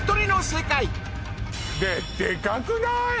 デカくない？